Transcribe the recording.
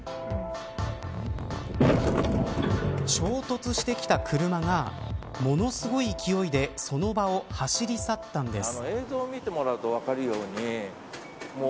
衝突してきた車がものすごい勢いでその場を走り去ったんです。